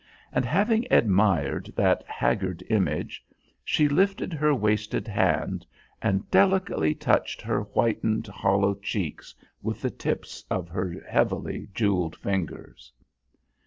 And having admired that haggard image, she lifted her wasted hand and delicately touched her whitened, hollow cheeks with the tips of her heavily jewelled fingers.